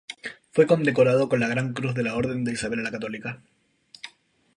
Fue condecorado con la gran cruz de la Orden de Isabel la Católica.